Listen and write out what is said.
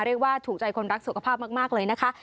เรียกว่าถูกใจคนรักสุขภาพมากเลยนะคะ